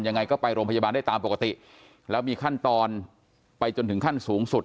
ยังไงก็ไปโรงพยาบาลได้ตามปกติแล้วมีขั้นตอนไปจนถึงขั้นสูงสุด